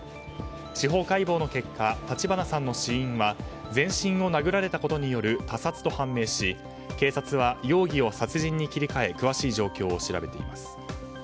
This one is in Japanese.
司法解剖の結果立花さんの死因は全身を殴られたことによる他殺と判明し、警察は容疑を殺人に切り替え詳しい状況を調べています。